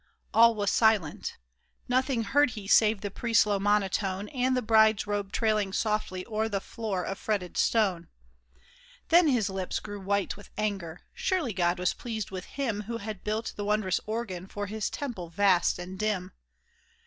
All was silent. Nothing heard he save the priest's low monotone, And the bride's robe trailing softly o'er the floor of fretted stone. Then his lips grew white with anger. Surely God was pleased with him Who had built the wondrous organ for His temple vast and dim